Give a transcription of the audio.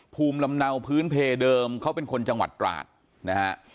ภูมิลำเนาพื้นเพเดิมเขาเป็นคนจังหวัดตราดนะฮะ